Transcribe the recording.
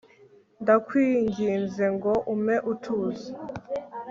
ndakwinginze ngo umpe utuzi